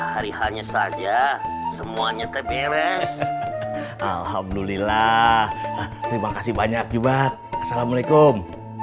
hari hanya saja semuanya terberes alhamdulillah terima kasih banyak jumat assalamualaikum